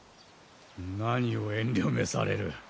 何を遠慮めされる。